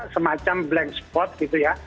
semacam blank spot gitu ya